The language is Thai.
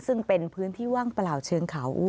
ซึ่งเป็นพื้นที่ว่างเปล่าเชิงเขา